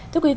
thưa quý vị